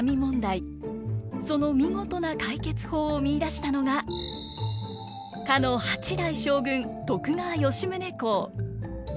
その見事な解決法を見いだしたのがかの八代将軍徳川吉宗公。